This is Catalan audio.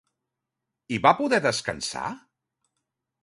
I va poder descansar?